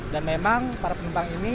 dan memang para penumpang ini